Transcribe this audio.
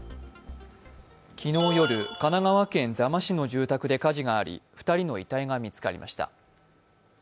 昨日夜、神奈川県座間市の住宅で火事があり２人の遺体が見つかりました。